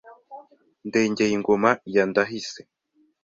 Ndengeyingoma ya Ndahise